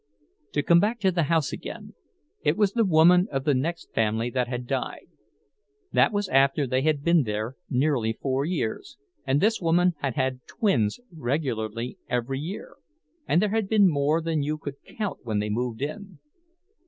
To come back to the house again, it was the woman of the next family that had died. That was after they had been there nearly four years, and this woman had had twins regularly every year—and there had been more than you could count when they moved in.